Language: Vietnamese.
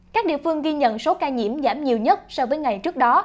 các địa phương ghi nhận số ca nhiễm giảm nhiều nhất so với ngày trước đó